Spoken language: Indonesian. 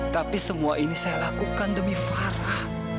tapi semua ini saya lakukan demi farah